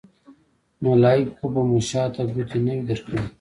ملایکو خو به مو شاته ګوتې نه وي درکړې.